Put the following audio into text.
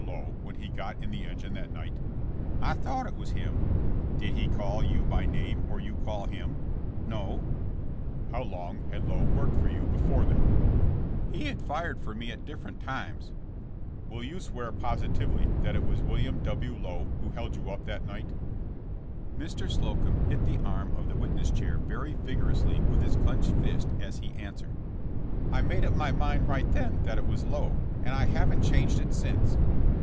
Lowe when he got in the engine that night?" "I thought it was him." "Did he call you by name, or you call him?" No." 160 JKSSK JAMES. How long had Lowe worked for you before thatr' '*He had fired for me at different times." Will you swear positively that it was William W. Lowe who held you up that night?" Mr. Slocum hit the arm of the witness chair very vigorously with his clinched fist as he answered : *'I made up my mind right then that it was Lowe, and I haven't changed it since."